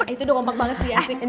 itu udah gampang banget sih ya